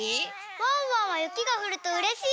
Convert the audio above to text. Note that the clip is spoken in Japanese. ワンワンはゆきがふるとうれしい？